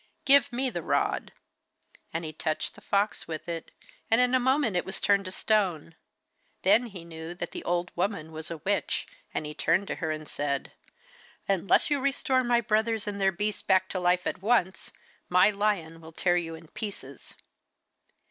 Give me the rod'; and he touched the fox with it, and in a moment it was turned into stone. Then he knew that the old woman was a witch, and he turned to her and said: 'Unless you restore my brothers and their beasts back to life at once, my lion will tear you in pieces.